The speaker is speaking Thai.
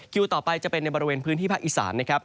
ต่อไปจะเป็นในบริเวณพื้นที่ภาคอีสานนะครับ